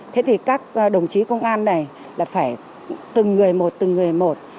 thế thì các đồng chí công an này là phải từng người một từng người một